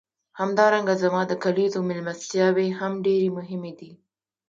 همدارنګه زما د کلیزو میلمستیاوې هم ډېرې مهمې دي.